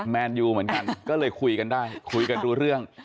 แมนยูเหมือนกันก็เลยคุยกันได้คุยกันรู้เรื่อง